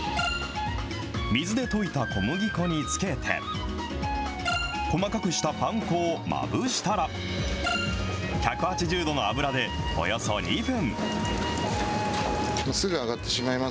水で溶いた小麦粉に漬けて、細かくしたパン粉をまぶしたら、１８０度の油でおよそ２分。